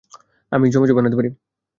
আমি যমজ ও বানাতে পারি!